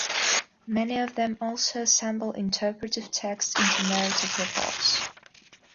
Many of them also assemble interpretive text into narrative reports.